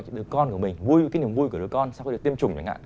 những đứa con của mình vui với cái niềm vui của đứa con sau khi được tiêm chủng